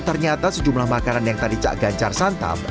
ternyata sejumlah makanan yang tadi cak ganjar santap